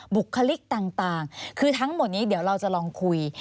บุคลิกต่างคือทั้งหมดนี้เดี๋ยวเราจะลองคุย